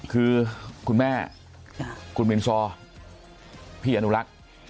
คือคุณแม่คุณมินซอพี่อนุรักษ์